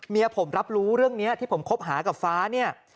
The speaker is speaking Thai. เมียผมรับรู้เรื่องนี้ที่ผมคบหากับฟ้าเนี่ย